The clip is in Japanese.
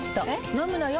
飲むのよ。